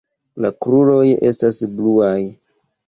La kruroj estas bluaj.